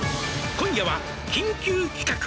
「今夜は緊急企画！」